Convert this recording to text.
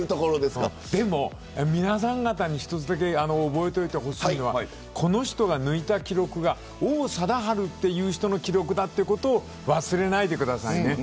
でも皆さん方に一つだけ覚えておいてほしいのはこの人が抜いた記録が王貞治という人の記録だということを忘れないでくださいね。